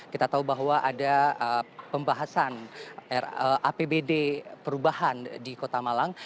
kita tahu bahwa ada pembahasan apbd perubahan di kota malang